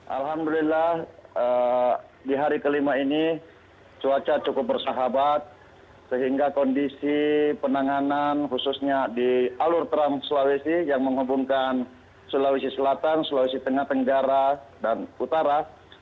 alhamdulillah di hari kelima ini cuaca cukup bersahabat sehingga kondisi penanganan khususnya di alur trans sulawesi yang menghubungkan sulawesi selatan sulawesi tengah tenggara dan utara